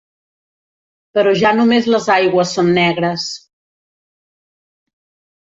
Però ja només les aigües són negres.